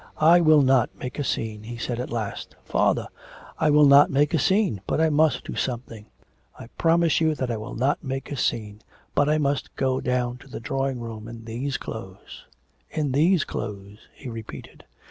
'I will not make a scene,' he said at last. 'Father!' 'I will not make a scene, but I must do something.... I promise you that I will not make a scene, but I must go down to the drawing room in these clothes. In these clothes,' he repeated.